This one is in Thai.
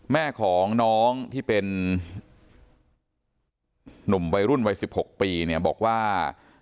แม่ของน้องที่เป็นหนุ่มวัยรุ่นวัย๑๖ปีเนี่ยบอกว่า